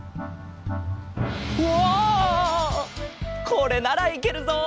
これならいけるぞ！